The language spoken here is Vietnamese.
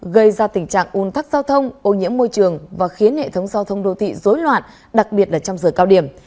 gây ra tình trạng un thắc giao thông ô nhiễm môi trường và khiến hệ thống giao thông đô thị dối loạn đặc biệt là trong giờ cao điểm